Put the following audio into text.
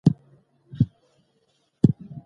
تاريخ تېر مهال په پوره دقت سره مطالعه کوي.